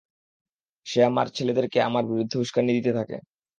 সে আমার ছেলেদেরকে আমার বিরুদ্ধে উস্কানি দিতে থাকে।